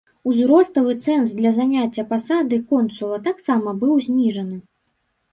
Узроставы цэнз для заняцця пасады консула таксама быў зніжаны.